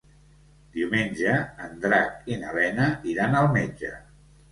Diumenge en Drac i na Lena iran al metge.